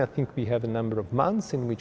và chúng tôi sẽ giúp mọi người biết